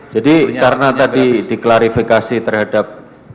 jadi karena tadi diklarifikasi terhadap